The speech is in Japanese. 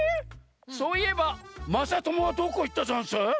そういえばまさともはどこいったざんす？